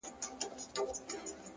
زحمت د موخو د پخېدو لمر دی